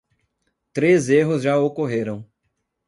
Três erros já ocorreram